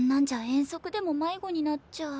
遠足でも迷子になっちゃう。